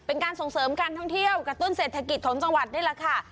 เป็นการส่งเสริมการท่องเที่ยวกระตุ้นเศรษฐกิจของจังหวัดนี่แหละค่ะ